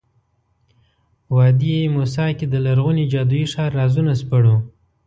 وادي موسی کې د لرغوني جادویي ښار رازونه سپړو.